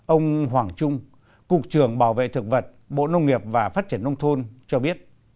ông hoàng trung cục trường bảo vệ thực vật bộ nông nghiệp và phát triển nông thôn cho biết